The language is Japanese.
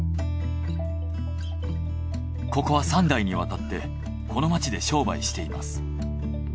ここは３代にわたってこの町で商売しています。